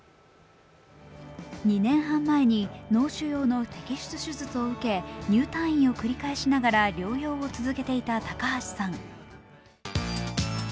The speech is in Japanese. ２年半前に脳腫瘍の摘出手術を受け入退院を繰り返しながら療養を続けていた高橋さん。